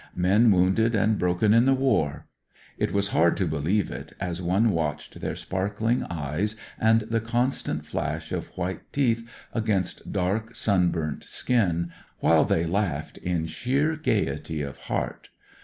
Men wounded and broken in the war! It was hard to believe it, as one watched their sparkling eyes and the constant flash of white teeth against dark, sun 124 BROTHERS OF THE PARSONAGE I I i *r burnt skin, whUe they laughed in sheer gaiety of heart.